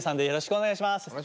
よろしくお願いします。